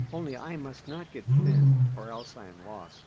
Only I must not get thin, or else I am lost."